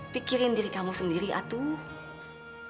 pikirin diri kamu sendiri aduh